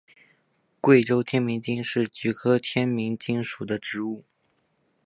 贵州天名精是菊科天名精属的植物。